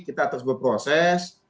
kita terus berproses